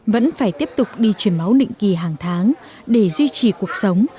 vẫn phải tiếp tục đi chuyển máu định kỳ hàng tháng để duy trì cuộc sống